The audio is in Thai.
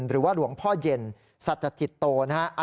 หรือว่าหลวงพ่อเย็นสัจจิตโตนะฮะ